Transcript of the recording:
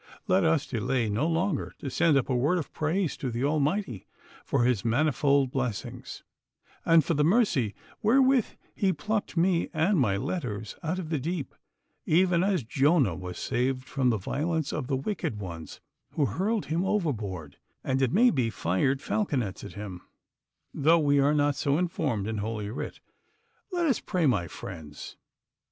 'Let us delay no longer to send up a word of praise to the Almighty for His manifold blessings, and for the mercy wherewith He plucked me and my letters out of the deep, even as Jonah was saved from the violence of the wicked ones who hurled him overboard, and it may be fired falconets at him, though we are not so informed in Holy Writ. Let us pray, my friends!